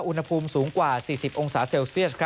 อุณหภูมิสูงกว่า๔๐องศาเซลเซียส